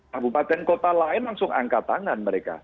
kabupaten kota lain langsung angkat tangan mereka